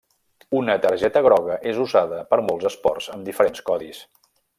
Una targeta groga és usada per molts esports amb diferents codis.